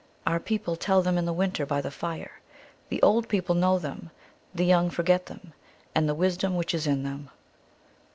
Our people tell them in the winter by the fire : the old people know them ; the young forget them and the wisdom which is in them.